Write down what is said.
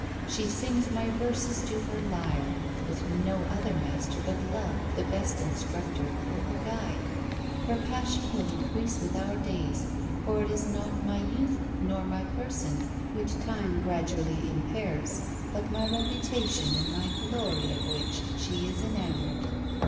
She sings my verses to her lyre, with no other master but love, the best instructor, for her guide. Her passion will increase with our days, for it is not my youth nor my person, which time gradually impairs, but my reputation and my glory, of which, she is enamoured."